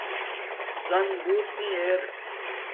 زَن بوت نی ار